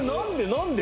何で？